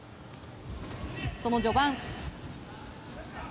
その序盤。